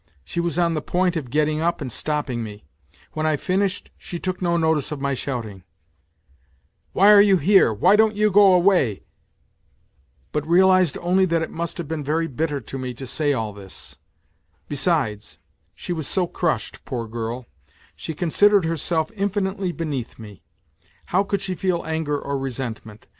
She was on the point of getting up and stopping me ; when I finished she took no notice of my shouting :" Why are you here, why don't you go away ?" but realized only that it must have been very bitter to me to say all this. Besides, she was so crushed, poor girl; she considered herself infinitely beneath me ; how could she feel anger or resentment